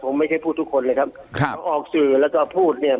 ผมไม่เคยพูดทุกคนเลยครับออกสื่อแล้วก็พูดเนี่ย